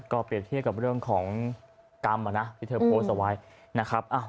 ก็เปรียบเทียบกับเรื่องของกรรมที่เธอโพสต์เอาไว้นะครับ